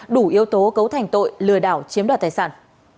đủ yếu tố cấu thành tội lừa đảo chiếm đoạt tài sản